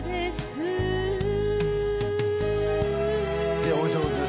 いやお上手